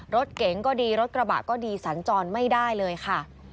รถเก๋งก็ดีรถกระบะก็ดีสัญจรไม่ได้เลยค่ะ